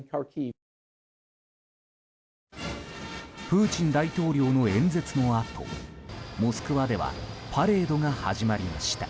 プーチン大統領の演説のあとモスクワではパレードが始まりました。